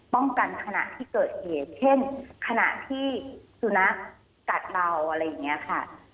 ขณะที่เกิดเหตุเช่นขณะที่สุนัขกัดเราอะไรอย่างนี้ค่ะ